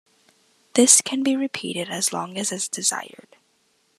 This can be repeated as long as is desired.